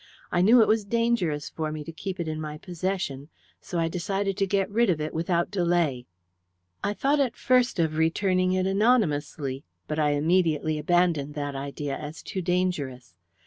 I knew it was dangerous for me to keep it in my possession, so I decided to get rid of it without delay. "I thought at first of returning it anonymously, but I immediately abandoned that idea as too dangerous.